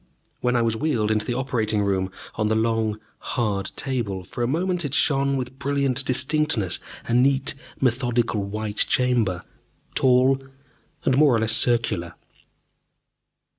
When I was wheeled into the operating room on the long, hard table, for a moment it shone with brilliant distinctness, a neat, methodical white chamber, tall and more or less circular.